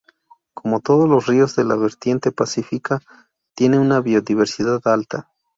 Como todos los ríos de la vertiente pacífica, tiene una biodiversidad alta.